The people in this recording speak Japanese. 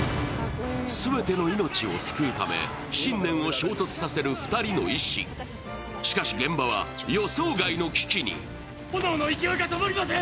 全ての命を救うため信念を衝突させる２人の医師しかし現場は予想外の危機に・炎の勢いが止まりません！